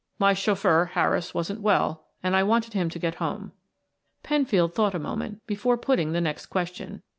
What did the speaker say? "My chauffeur, Harris, wasn't well, and I wanted him to get home." Penfield thought a moment before putting the next question.